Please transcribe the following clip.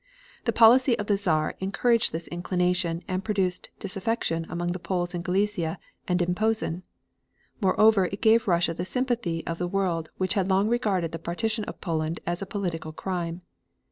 The policy of the Czar encouraged this inclination and produced disaffection among the Poles in Galicia and in Posen. Moreover, it gave Russia the sympathy of the world which had long regarded the partition of Poland as a political crime.